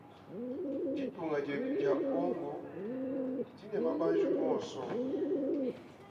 Ditunga dietu dia kongu didi ne mabanji onsu.